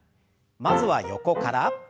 まずは横から。